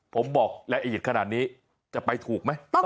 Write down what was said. ผมบอกละเอียดขนาดนี้จะไปถูกไหม